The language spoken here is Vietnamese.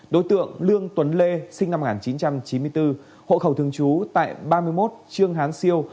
đối tượng lương tuấn lê sinh năm một nghìn chín trăm chín mươi bốn hộ khẩu thường trú tại ba mươi một trương hán siêu